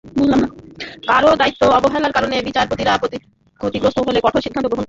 কারও দায়িত্ব অবহেলার কারণে বিচারপ্রার্থীরা ক্ষতিগ্রস্ত হলে কঠোর সিদ্ধান্ত গ্রহণ করা হবে।